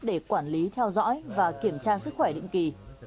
để quản lý theo dõi và kiểm tra sức khỏe định kỳ